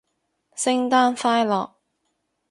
聖誕快樂